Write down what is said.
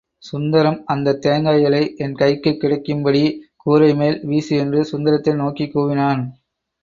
சுந்தரம், அந்தத் தேங்காய்களை என்கைக்குக் கிடைக்கும் படி கூரை மேல் வீசு என்று சுந்தரத்தை நோக்கிக் கூவினான்.